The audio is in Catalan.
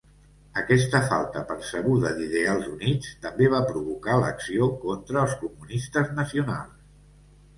Aquesta falta percebuda d'ideals units, també va provocar l'acció contra els comunistes nacionals.